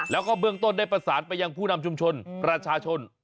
แล้วก็เบื้องต้นได้ประสานไปยังผู้นำชุมชนประชาชน